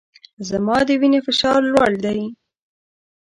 زما د وینې فشار لوړ دی